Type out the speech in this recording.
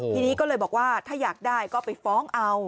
ทีนี้ก็เลยบอกว่าถ้าอยากได้ก็ไปฟ้องเอา